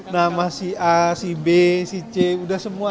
nama si a si b si c udah semua